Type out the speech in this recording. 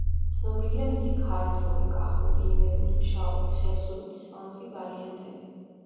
ცნობილია მისი ქართლური, კახური, იმერული, ფშაური, ხევსურული, სვანური ვარიანტები.